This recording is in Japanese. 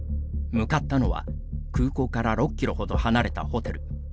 向かったのは空港から６キロほど離れたホテル。